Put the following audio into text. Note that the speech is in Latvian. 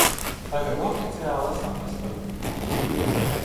Tagad oficiāli esam bezpajumtnieki.